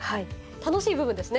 楽しい部分ですね